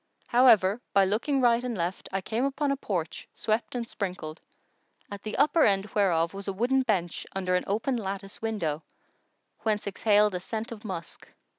However by looking right and left I came upon a porch swept and sprinkled, at the upper end whereof was a wooden bench under an open lattice window, whence exhaled a scent of musk.